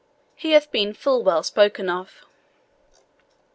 He hath been full well spoken of."